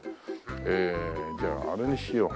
えじゃああれにしよう。